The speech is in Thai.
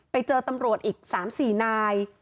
ไปเจอตำรวจอีก๓๔นาย